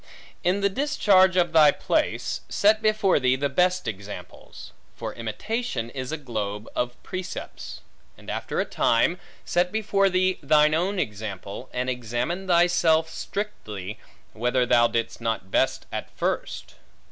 In the discharge of thy place, set before thee the best examples; for imitation is a globe of precepts. And after a time, set before thee thine own example; and examine thyself strictly, whether thou didst not best at first.